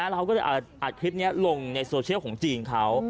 เราก็เลยอัดคลิปนี้ลงในโซเชียลของจีนเขา